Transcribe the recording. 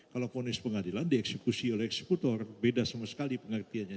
kalau ponis pengadilan dieksekusi oleh eksekutor beda sama sekali pengertiannya